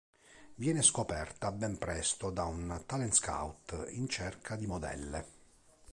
Viene scoperta ben presto da un talent scout in cerca di modelle.